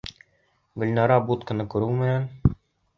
Гөлнара бутҡаны күреү менән: